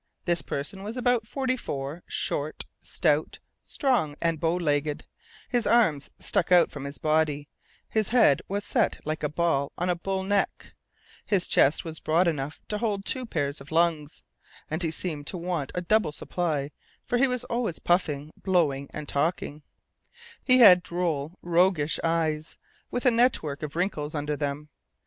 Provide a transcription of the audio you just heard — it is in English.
This person was about forty four, short, stout, strong, and bow legged; his arms stuck out from his body, his head was set like a ball on a bull neck, his chest was broad enough to hold two pairs of lungs (and he seemed to want a double supply, for he was always puffing, blowing, and talking), he had droll roguish eyes, with a network of wrinkles under them.